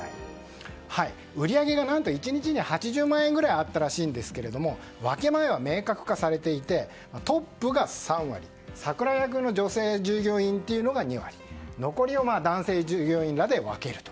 売り上げが何と１日に８０万円ぐらいあったらしいんですが分け前は明確化されていてトップが３割サクラ役の女性従業員が２割残りを男性従業員らで分けると。